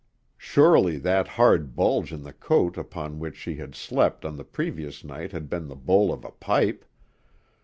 Surely that hard bulge in the coat upon which she had slept on the previous night had been the bowl of a pipe!